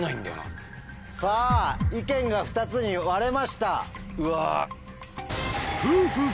さぁ意見が２つに割れました。